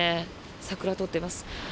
桜を撮っています。